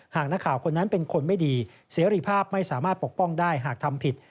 หากนักข่าวคนนั้นเป็นคนไม่ดีเสรีภาพไม่สามารถปกป้องได้หากทำผิด